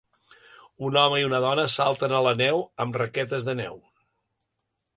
Un home i una dona salten a la neu amb raquetes de neu.